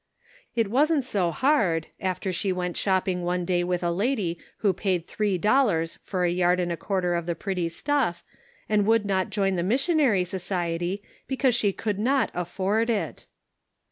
It wasn't so hard, after she went shopping one day with a lady who paid three dollars for a yard and a quarter of the pretty stuff, and would not join the Missionary Society because she could not afford it!